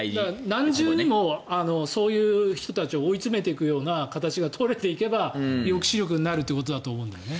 何重にもそういう人たちを追い詰めていくような形が取れていけば抑止力になるということだと思うんですね。